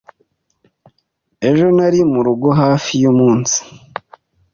Ejo nari murugo hafi yumunsi.